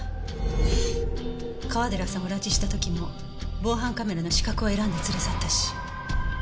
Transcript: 川寺さんを拉致した時も防犯カメラの死角を選んで連れ去ったし。